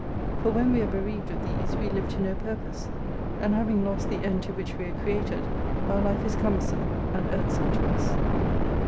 For when we are bereaved of these, we live to no purpose ; and having lost the end to which we were created, our life is cumbersome and irksome to us.